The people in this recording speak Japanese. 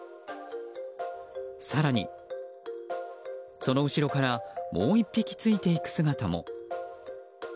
更に、その後ろからもう１匹ついていく姿も。